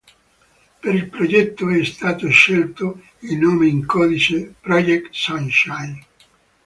Per il progetto è stato scelto il nome in codice "Project Sunshine".